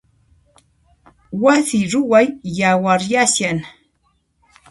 Wasi ruwaq yawaryashan.